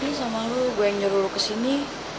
ini kan sama lo gua yang nyuruh lo kesini